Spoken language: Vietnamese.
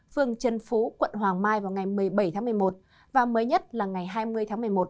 phường trần phú quận hoàng mai vào ngày một mươi bảy tháng một mươi một và mới nhất là ngày hai mươi tháng một mươi một